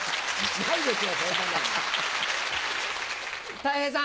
たい平さん。